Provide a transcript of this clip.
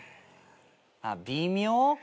あっ微妙か。